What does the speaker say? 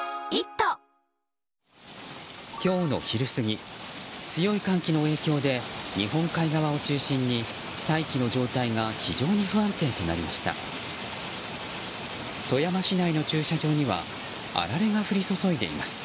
今日の昼過ぎ強い寒気の影響で日本海側を中心に大気の状態が非常に不安定となりました。